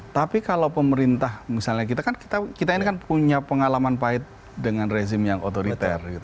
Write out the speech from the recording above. tapi kalau pemerintah misalnya kita ini kan punya pengalaman pahit dengan rezim yang otoriter